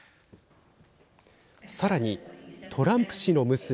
さらにトランプ氏の娘